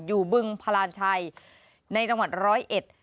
บึงพลานชัยในจังหวัดร้อยเอ็ด